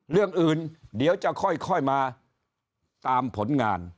เรื่องอื่นเดี๋ยวจะค่อยมาตามผลงาน